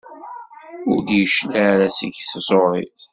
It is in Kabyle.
Ur d-yeclig ara seg tẓuri.